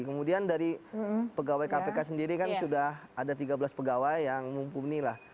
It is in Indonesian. kemudian dari pegawai kpk sendiri kan sudah ada tiga belas pegawai yang mumpuni lah